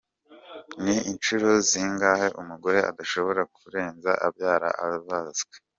Ni inshuro zingahe umugore adashobora kurenza abyara abazwe ?.